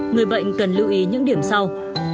người bệnh cần lưu ý những điểm sau